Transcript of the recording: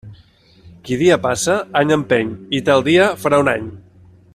Qui dia passa, any empeny i tal dia farà un any.